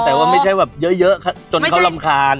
แต่ไม่ใช่เยอะจนเขารำคาญ